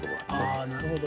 ああなるほど。